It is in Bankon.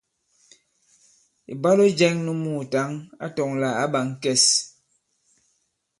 Ìbwalo jɛ̄ŋ nu muùtaŋ a tɔ̄ŋ lā ǎ ɓā ŋ̀kɛs.